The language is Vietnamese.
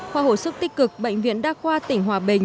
khoa hồi sức tích cực bệnh viện đa khoa tỉnh hòa bình